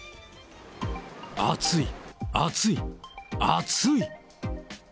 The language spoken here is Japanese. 暑い、暑い、暑い！